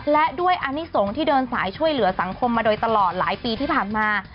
และด้วยอนิสงฆ์ที่เดินสายช่วยเหลือสังคมมาโดยตลอดหลายปีที่ผ่านมา